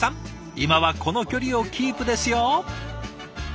今はこの距離をキープですよ。